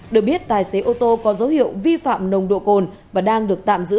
được biết tài xế ô tô có dấu hiệu vi phạm nồng độ cồn và đang được tạm giữ